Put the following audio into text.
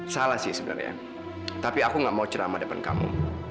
salah sih sebenarnya tapi aku gak mau ceramah depan kamu